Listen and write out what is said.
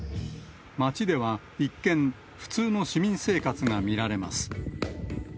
町では、一見普通の市民生活が見られます。